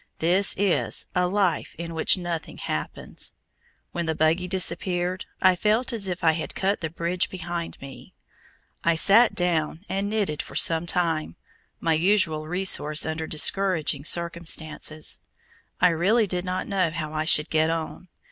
This is "a life in which nothing happens." When the buggy disappeared, I felt as if I had cut the bridge behind me. I sat down and knitted for some time my usual resource under discouraging circumstances. I really did not know how I should get on.